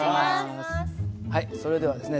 それではですね